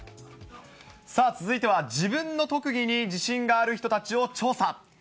さあ、続いては自分の特技に自信がある人たちを調査。